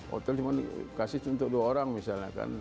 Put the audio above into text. hotel cuma dikasih untuk dua orang misalnya kan